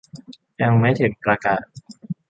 ยังไม่ถึงประกาศ